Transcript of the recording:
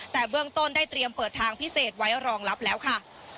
แต่เบื้องต้นได้เตรียมเปิดทางพิเศษไว้รองรับแล้วค่ะ